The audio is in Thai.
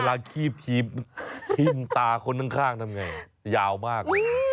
เวลาคีบทีมตาคนข้างทำไงยาวมาก